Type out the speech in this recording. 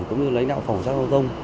cũng như lãnh đạo phòng giác lâu dân